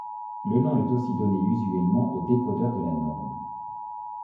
Le nom est aussi donné usuellement au décodeur de la norme.